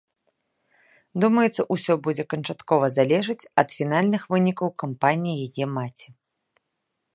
Думаецца, усё будзе канчаткова залежыць ад фінальных вынікаў кампаніі яе маці.